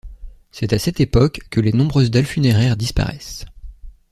C'est à cette époque que les nombreuses dalles funéraires disparaissent.